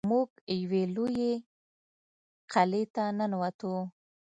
موږ یوې لویې قلعې ته ننوتو.